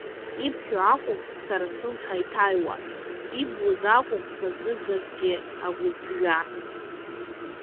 Ибҳәо акәым сара слымҳа иҭаҩуа, ибуз акәым сазыргазгьы агәыԥжәа.